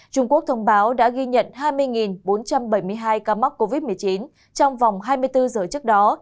trung quốc thông báo đã ghi nhận hai mươi bốn trăm bảy mươi hai ca mắc covid một mươi chín trong vòng hai mươi bốn giờ trước đó